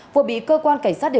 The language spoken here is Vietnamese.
vừa bị cơ quan cảnh sát điều khiển